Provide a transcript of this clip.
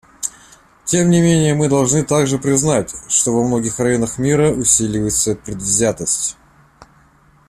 Тем не менее мы должны также признать, что во многих районах мира усиливается предвзятость.